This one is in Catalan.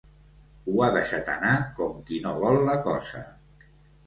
Ho ha deixat anar com qui no vol la cosa.